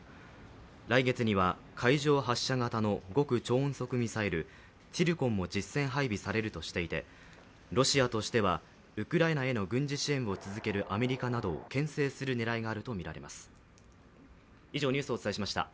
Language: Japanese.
来月には海上発射型の極超音速ミサイル、ツィルコンも実戦配備されるとしていてロシアとしてはウクライナへの軍事支援を続けるアメリカなどをけん制するねらいがあるとみられます。